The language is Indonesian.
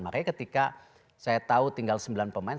makanya ketika saya tahu tinggal sembilan pemain